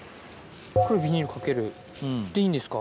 これビニールかけるでいいんですか？